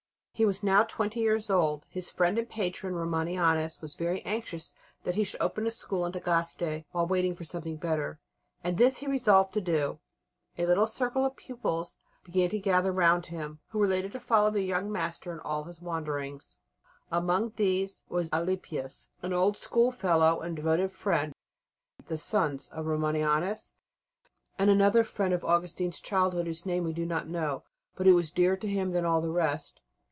He was now twenty years old. His friend and patron, Romanianus, was very anxious that he should open a school in Tagaste while waiting for something better, and this he resolved to do. A little circle of pupils soon gathered round him, who were later to follow their young master in all his wanderings. Amongst these was Alypius, an old schoolfellow and a devoted friend; the sons of Romanianus; and another friend of Augustine's childhood whose name we do not know, but who was dearer to him than all the rest.